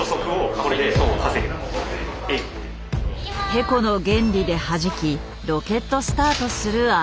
テコの原理ではじきロケットスタートする案。